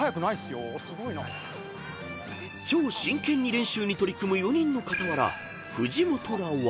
［超真剣に練習に取り組む４人の傍ら］